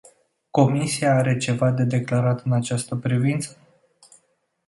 Comisia are ceva de declarat în această privință?